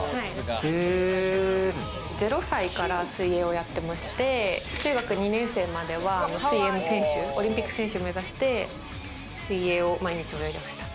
０歳から水泳をやってまして、中学２年生までは水泳の選手、オリンピック選手を目指して水泳を毎日泳いでました。